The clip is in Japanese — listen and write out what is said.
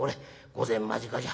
御前間近じゃ。